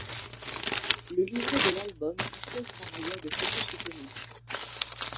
Le livret de l'album dispose par ailleurs de photos supplémentaires.